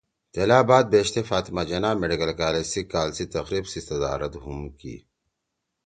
تیلا بعد بیشتے فاطمہ جناح میڈیکل کالج سی کال سی تقریب سی صدارت ہُم کی